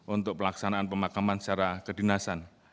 untuk pelaksanaan pemakaman secara kedinasan